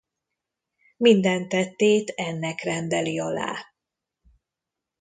Minden tettét ennek rendeli alá.